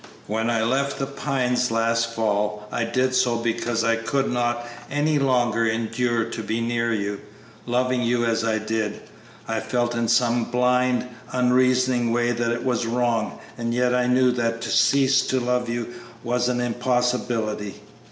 When I left The Pines last fall I did so because I could not any longer endure to be near you, loving you as I did. I felt in some blind, unreasoning way that it was wrong, and yet I knew that to cease to love you was an impossibility.